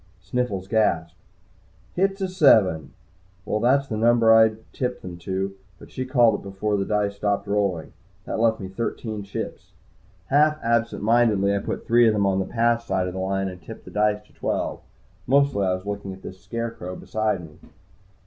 Sniffles gasped, "Hit's a seven!" Well, that's the number I'd tipped them to, but she called it before the dice stopped rolling. That left me thirteen chips. Half absent mindedly, I put three of them on the "Pass" side of the line and tipped the dice to twelve. Mostly I was looking at this scarecrow beside me.